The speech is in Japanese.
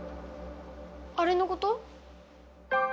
あれのこと？